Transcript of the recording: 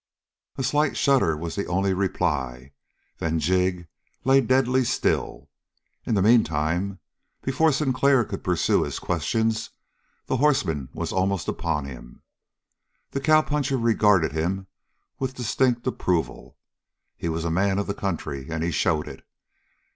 A slight shudder was the only reply; then Jig lay deadly still. In the meantime, before Sinclair could pursue his questions, the horseman was almost upon them. The cowpuncher regarded him with distinct approval. He was a man of the country, and he showed it.